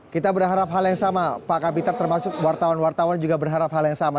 kita berharap hal yang sama pak kapiter termasuk wartawan wartawan juga berharap hal yang sama